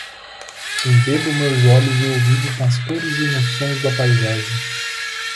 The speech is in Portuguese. embebo meus olhos e ouvidos nas cores e nos sons da paisagem